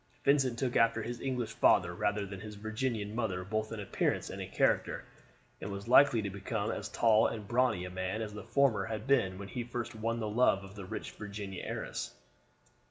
Vincent took after his English father rather than his Virginian mother both in appearance and character, and was likely to become as tall and brawny a man as the former had been when he first won the love of the rich Virginian heiress.